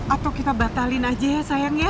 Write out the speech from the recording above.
atau kita batalin aja ya sayang ya